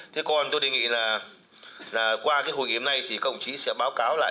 thế còn tôi đề nghị là qua cái hội nghiệp này thì cộng chí sẽ báo cáo lại